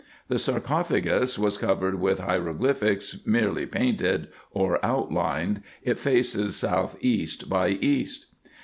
The sarcophagus was covered with hieroglyphics merely painted, or outlined: it faces south east by east.